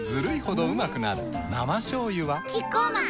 生しょうゆはキッコーマン